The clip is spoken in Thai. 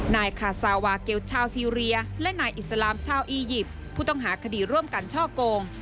นายคาซาวาเกลชาวซีเรียและนายอิสลามชาวอียิปต์ผู้ต้องหาคดีร่วมกันช่อกง